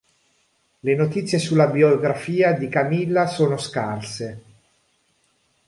Le notizie sulla biografia di Camilla sono scarse.